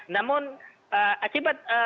namun akibat keterbatasan